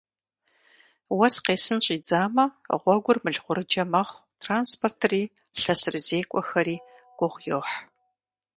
Уэс къесын щӀидзамэ, гъуэгур мылгъурыджэ мэхъу, транспортри лъэсырызекӀуэхэри гугъу йохь.